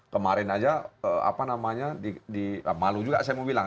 kemarin aja apa namanya di malu juga saya mau bilang